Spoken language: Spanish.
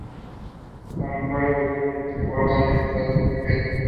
Las mejores esencias se guardan en frascos pequeños